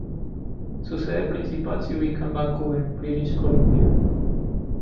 Su sede principal se ubica en Vancouver, British Columbia.